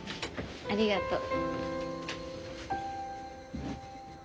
ありがとう。